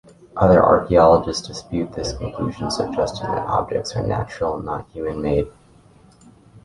Other archaeologists dispute this conclusion, suggesting that the objects are natural and not human-made.